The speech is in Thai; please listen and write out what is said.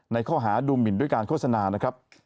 ในข้อหาดูหมินด้วยการโฆษณานะครับ